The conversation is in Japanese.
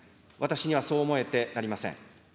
私にはそう思えてなりません。